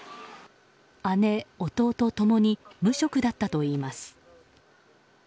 姉、弟共に無職だったといいます。